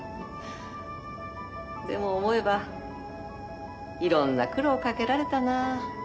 でも思えばいろんな苦労かけられたなあ。